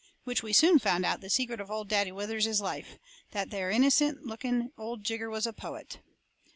Which we soon found out the secret of old Daddy Withers's life that there innocent looking old jigger was a poet.